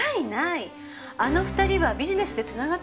あの２人はビジネスでつながってるだけよ。